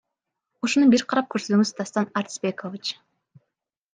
Ушуну бир карап көрсөңүз Дастан Артисбекович.